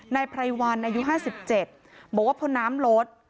ไพรวันอายุ๕๗บอกว่าพอน้ำลด